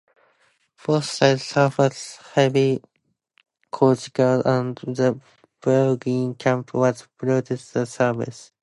Both sides suffered heavy casualties and the Bulgarian camp was looted by the Serbs.